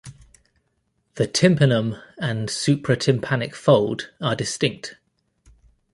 The tympanum and supratympanic fold are distinct.